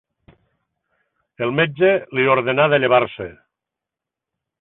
El metge li ordenà de llevar-se.